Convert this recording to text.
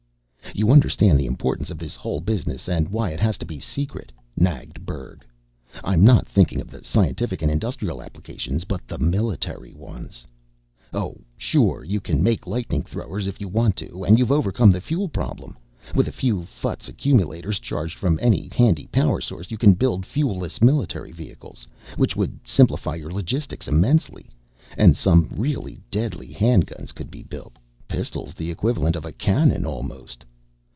"You understand the importance of this whole business, and why it has to be secret?" nagged Berg. "I'm not thinking of the scientific and industrial applications, but the military ones." "Oh, sure. You can make lightning throwers if you want to. And you've overcome the fuel problem. With a few ffuts accumulators, charged from any handy power source, you can build fuelless military vehicles, which would simplify your logistics immensely. And some really deadly hand guns could be built pistols the equivalent of a cannon, almost."